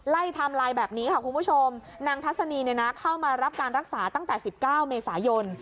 ไล่ทำลายแบบนี้ค่ะคุณผู้ชมนางทัศนีเข้ามารับการรักษาตั้งแต่๑๙เมษายน